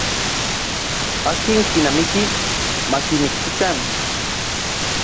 Akin kinamiki makimiktikan.